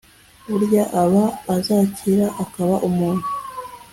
burya aba azakira akaba umuntu